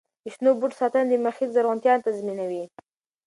د شنو بوټو ساتنه د محیط زرغونتیا تضمینوي.